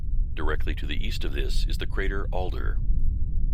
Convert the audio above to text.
Directly to the east of this is the crater Alder.